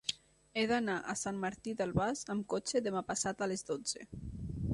He d'anar a Sant Martí d'Albars amb cotxe demà passat a les dotze.